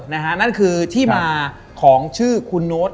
นั่นคือที่มาของชื่อคุณโน๊ต